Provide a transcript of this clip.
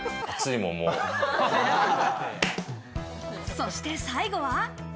そして最後は。